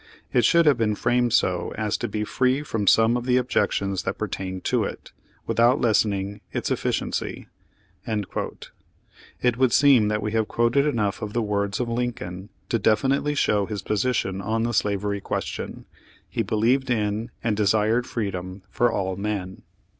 It should have been framed so as to be free from some of the objections that pertain to it, without lessening its efficiency." It would seem that we have quoted enough of the words of Lincoln to definitely show his posi tion on the slavery question. He believed in and Page Thirty eight desired freedom for all men.